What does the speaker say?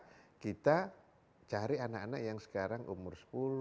jadi kita harus mencari anak anak yang sekarang umur sepuluh sebelas dua belas tiga belas